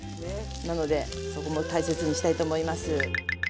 なのでそこも大切にしたいと思います。